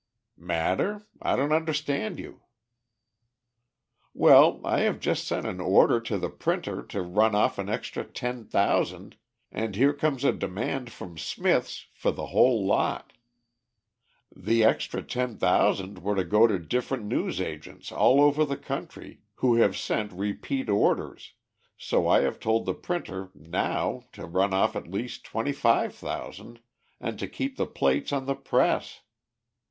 "Matter? I don't understand you." "Well, I have just sent an order to the printer to run off an extra ten thousand, and here comes a demand from Smith's for the whole lot. The extra ten thousand were to go to different newsagents all over the country who have sent repeat orders, so I have told the printer now to run off at least twenty five thousand, and to keep the plates on the press.